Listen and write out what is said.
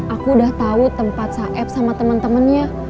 aku udah tau tempat saeb sama temen temennya